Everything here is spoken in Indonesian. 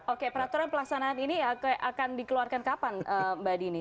oke peraturan pelaksanaan ini akan dikeluarkan kapan mbak dini